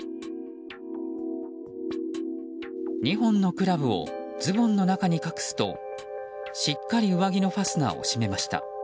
２本のクラブをズボンの中に隠すとしっかり上着のファスナーを締めました。